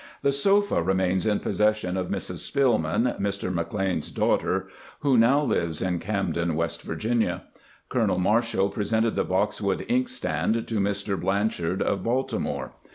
The sofa remains in possession of Mrs. Spillman, Mr. McLean's daughter, who now lives in Camden, West Virginia. Colonel Mar shall presented the boxwood inkstand to Mr. Blanchard of Baltimore.